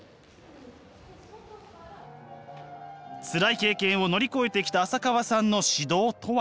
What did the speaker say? つらい経験を乗り越えてきた浅川さんの指導とは？